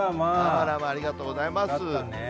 ありがとうございます。